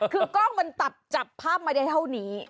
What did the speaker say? คือกล้องมันจับภาพมาได้เท่านี้